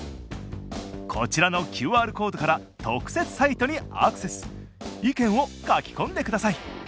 こちらのＱＲコードから特設サイトにアクセス意見を書き込んでください！